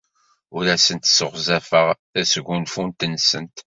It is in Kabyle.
Ur asent-sseɣzafeɣ tasgunfut-nsent.